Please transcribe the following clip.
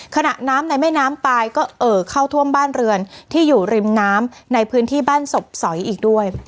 ขณะน้ำในแม่น้ำปลายก็เอ่อเข้าท่วมบ้านเรือนที่อยู่ริมน้ำในพื้นที่บ้านศพสอยอีกด้วย